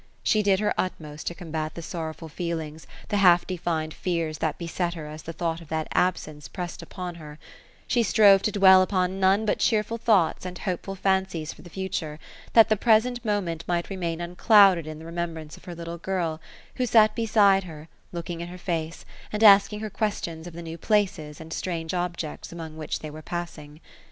She did her utmost to combat the sorrowful feelings, the half defined fears that beset her as the thought of that absence pressed upon her; she strove to dwell upon none but cheerful thoughts and hopeful fancies for the future, that the present moment might remain unclouded in the remembrance of her little girl, who sat beside her, looking in her face, and asking her questions of the new places and strange objects among which they were passing.